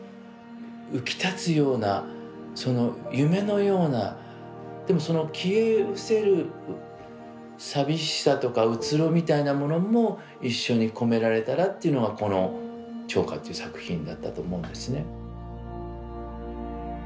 浮き立つようなその夢のようなでもその消えうせる寂しさとかうつろみたいなものも一緒に込められたらっていうのがこの「聴花」という作品だったと思うんですね。